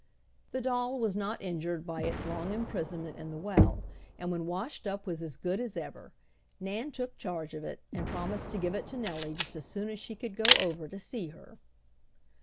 The doll was not injured by its long imprisonment in the well and when washed up was as good as ever. Nan took charge of it, and promised to give it to Nellie just as soon as she could go over to see her.